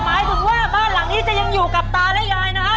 หมายถึงว่าบ้านหลังนี้จะยังอยู่กับตาและยายนะฮะ